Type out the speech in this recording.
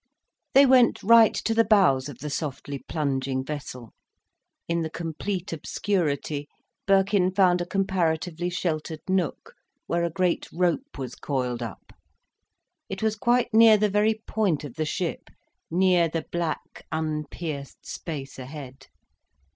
They went right to the bows of the softly plunging vessel. In the complete obscurity, Birkin found a comparatively sheltered nook, where a great rope was coiled up. It was quite near the very point of the ship, near the black, unpierced space ahead.